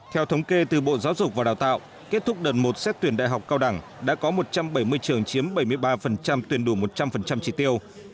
theo thống kê từ bộ giáo dục và đào tạo kết thúc đợt một xét tuyển đại học cao đẳng đã có một trăm bảy mươi trường chiếm bảy mươi ba tuyển đủ một trăm linh trị tiêu